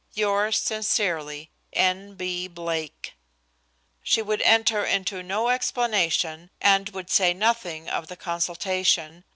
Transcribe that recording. Yours sincerely. N. B. Blake." She would enter into no explanation and would say nothing of the consultation.